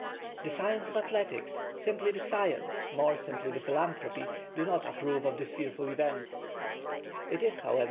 The science of athletics, simply the science, more simply the philanthropy, do not approve of this fearful event ; it is, how i ver.